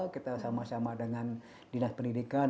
kita sama sama dengan dinas pendidikan